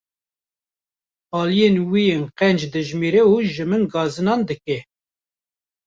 Aliyên wî yên qenc dijmêre û ji min gazinan dike.